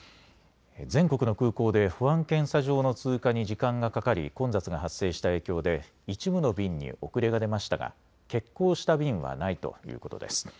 全国の空港で保安検査場の通過に時間がかかり混雑が発生した影響で一部の便に遅れが出ましたが欠航した便はないということです。